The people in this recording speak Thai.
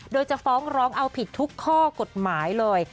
โดยจะฟ้องร้องเอาผิดทุกข้อกฎหมายเลย